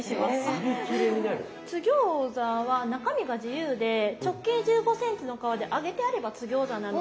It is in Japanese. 津ぎょうざは中身が自由で直径１５ｃｍの皮で揚げてあれば津ぎょうざなので。